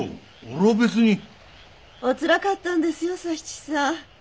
おつらかったんですよ佐七さん。